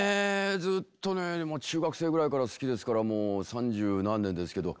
ずっとねもう中学生ぐらいから好きですからもう三十何年ですけど。